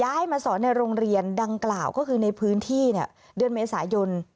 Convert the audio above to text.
มาสอนในโรงเรียนดังกล่าวก็คือในพื้นที่เดือนเมษายน